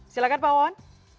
silakan pak owen